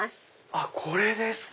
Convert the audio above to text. あっこれですか。